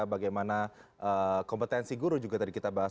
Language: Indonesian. bagaimana kompetensi guru juga tadi kita bahas